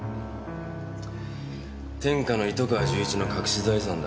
天下の糸川重一の隠し財産だ。